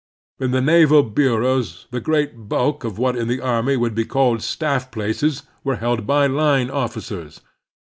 In the naval bureaus the great bulk of what in the army would be called staff places are held by line officers.